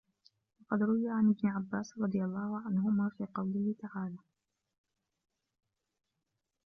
وَقَدْ رُوِيَ عَنْ ابْنِ عَبَّاسٍ رَضِيَ اللَّهُ عَنْهُمَا فِي قَوْله تَعَالَى